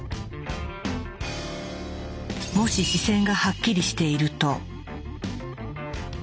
もし視線がハッキリしていると。